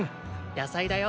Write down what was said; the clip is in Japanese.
野菜だよ。